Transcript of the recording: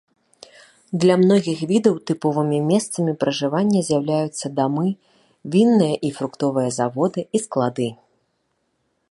Для многіх відаў тыповымі месцамі пражывання з'яўляюцца дамы, вінныя і фруктовыя заводы і склады.